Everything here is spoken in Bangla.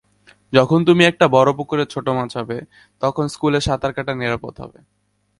যখন তুমি একটা বড় পুকুরে ছোট মাছ হবে, তখন স্কুলে সাঁতার কাটা নিরাপদ হবে।